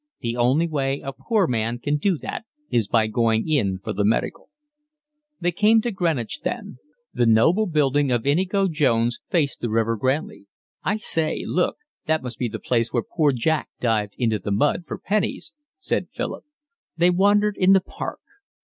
The only way a poor man can do that is by going in for the medical." They came to Greenwich then. The noble building of Inigo Jones faced the river grandly. "I say, look, that must be the place where Poor Jack dived into the mud for pennies," said Philip. They wandered in the park.